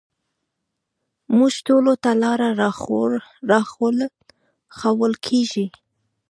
موږ ټولو ته لاره راښوول کېږي.